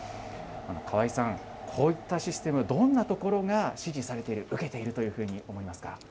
川井さん、こういったシステム、どんなところが支持されている、受けているというふうに思います